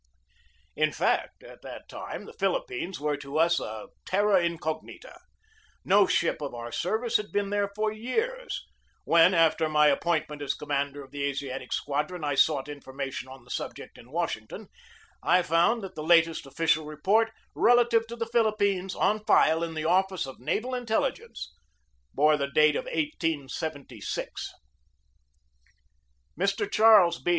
In fact, at that time the Philippines were to us a terra incognita. No ship of our service had been there for years. When, after my appointment as commander of the Asiatic Squadron, I sought in formation on the subject in Washington, I found that the latest official report relative to the Philip pines on file in the office of naval intelligence bore the date of 1876. Mr. Charles B.